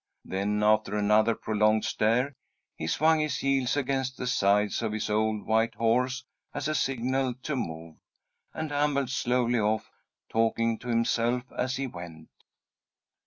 Then, after another prolonged stare, he swung his heels against the sides of his old white horse as a signal to move, and ambled slowly off, talking to himself as he went.